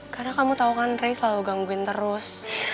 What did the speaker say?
karena kamu tau kan ray selalu gangguin terus